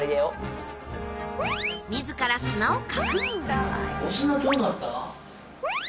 自ら砂を確認。